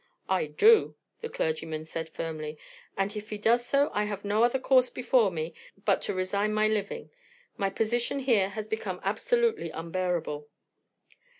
"I do," the clergyman said firmly; "and if he does so I have no other course before me but to resign my living; my position here has become absolutely unbearable."